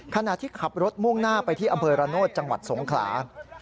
ขณะที่ขับรถมุ่งหน้าไปที่อำเภอระโนธจังหวัดสงขลา